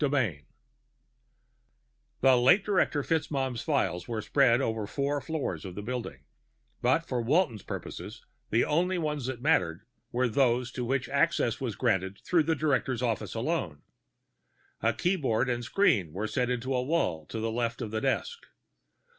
VI The late Director FitzMaugham's files were spread over four floors of the building, but for Walton's purposes the only ones that mattered were those to which access was gained through the director's office alone. A keyboard and screen were set into the wall to the left of the desk.